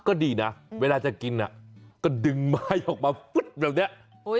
ก็ดีนะเวลาจะกินก็ดึงไม้ออกมาฟึ๊ดแบบนี้